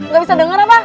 gak bisa denger apa